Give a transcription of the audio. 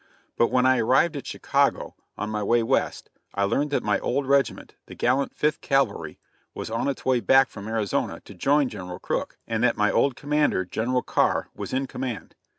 But when I arrived at Chicago, on my way West, I learned that my old regiment, the gallant Fifth Cavalry, was on its way back from Arizona to join General Crook, and that my old commander, General Carr, was in command.